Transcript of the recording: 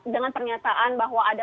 dengan pernyataan bahwa ada